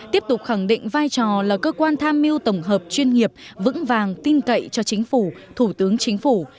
tiếp tục khẳng định vai trò là cơ quan tham mưu tổng hợp chuyên nghiệp vững vàng tin cậy cho chính phủ thủ tướng chính phủ